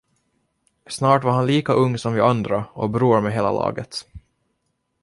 Snart var han lika ung som vi andra och bror med hela laget.